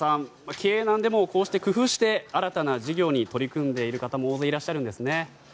経営難でもこうして工夫して新たな事業に取り組んでいる方も大勢いらっしゃるんですね。